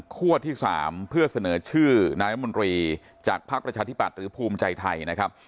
คั่วที่สามเพื่อเสนอชื่อนายมนตรีจากภาคประชาธิบัติหรือภูมิใจไทยนะครับ